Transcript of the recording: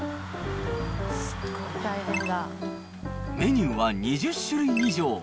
メニューは２０種類以上。